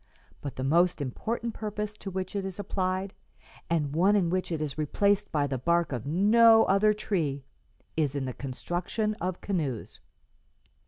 But the most important purpose to which it is applied, and one in which it is replaced by the bark of no other tree, is in the construction of canoes.